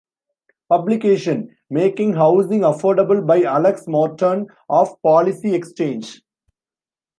Publication: Making Housing Affordable by Alex Morton of Policy Exchange.